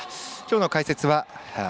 きょうの解説は元